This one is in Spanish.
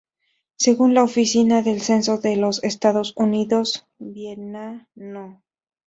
Según la Oficina del Censo de los Estados Unidos, Vienna No.